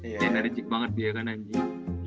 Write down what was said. ya energi banget dia kan anjing